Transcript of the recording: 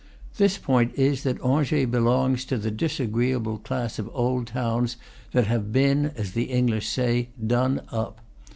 This point is that Angers belongs to the disagreeable class of old towns that have been, as the English say, "done up."